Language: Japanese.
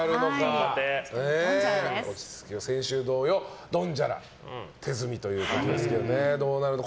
先週同様ドンジャラ手積みということですがどうなるか。